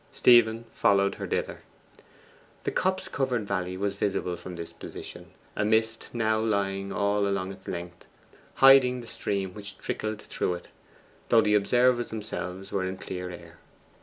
Stephen followed her thither. The copse covered valley was visible from this position, a mist now lying all along its length, hiding the stream which trickled through it, though the observers themselves were in clear air.